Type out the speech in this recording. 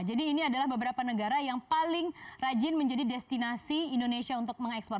jadi ini adalah beberapa negara yang paling rajin menjadi destinasi indonesia untuk mengekspor